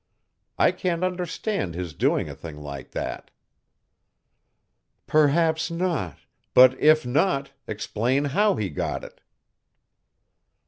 I can't understand his doing a thing like that." "Perhaps not, but if not, explain how he got it."